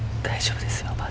大丈夫ですよ。